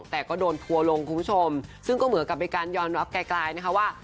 แต่ก็โดนทัวร์ลงคุณผู้ชมซึ่งก็เหมือนกับเป็นการยอมรับไกลนะคะว่า